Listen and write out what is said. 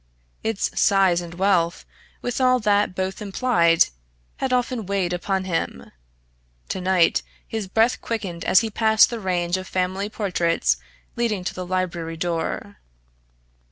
Its size and wealth, with all that both implied, had often weighed upon him. To night his breath quickened as he passed the range of family portraits leading to the library door.